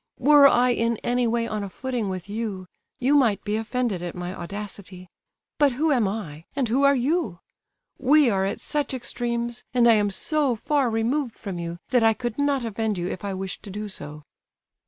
Were I in any way on a footing with you, you might be offended at my audacity; but who am I, and who are you? We are at such extremes, and I am so far removed from you, that I could not offend you if I wished to do so."